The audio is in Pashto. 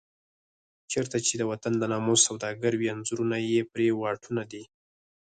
چېرته چې د وطن د ناموس سوداګر وي انځورونه یې پر واټونو دي.